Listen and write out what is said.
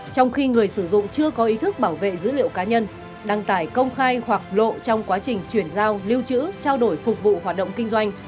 trong khi người sử dụng chưa có ý thức bảo vệ dữ liệu cá nhân đăng tải công khai hoặc lộ trong quá trình chuyển giao lưu chữ trao đổi phục vụ hoạt động kinh doanh